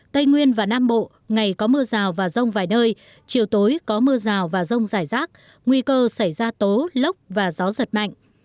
tây nguyên và nam bộ ngày có mưa rào và rông vài nơi chiều tối có mưa rào và rông rải rác nguy cơ xảy ra tố lốc và gió giật mạnh